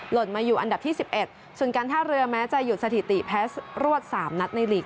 มาอยู่อันดับที่๑๑ส่วนการท่าเรือแม้จะหยุดสถิติแพ้รวด๓นัดในลีก